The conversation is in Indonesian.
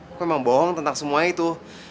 aku emang bohong tentang semuanya itu